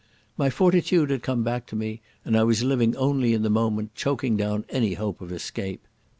My fortitude had come back to me, and I was living only in the moment, choking down any hope of escape.